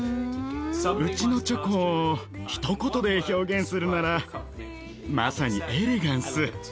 うちのチョコをひと言で表現するならまさにエレガンス。